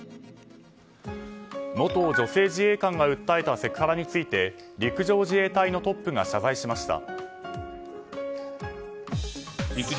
元女性自衛官が訴えたセクハラについて陸上自衛隊のトップが謝罪しました。